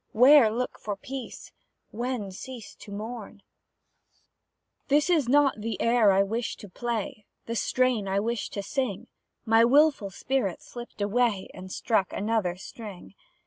Where look for peace? When cease to mourn? 'Tis not the air I wished to play, The strain I wished to sing; My wilful spirit slipped away And struck another string.